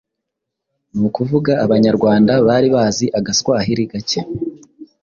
ni ukuvuga Abanyarwanda bari bazi agaswahili gake